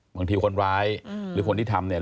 บางทีคนร้ายหรือคนที่ทำเนี่ย